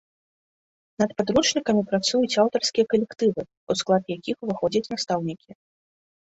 Над падручнікамі працуюць аўтарскія калектывы, у склад якіх уваходзяць настаўнікі.